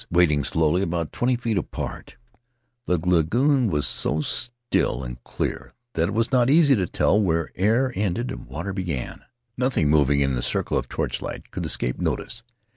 Wading slowly, about twenty feet apart — the lagoon so still and clear that it was not easy to tell where air ended and water began — nothing moving in the circle of torchlight could escape notice.